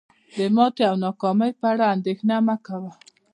د ماتې او ناکامۍ په اړه اندیښنه مه کوه.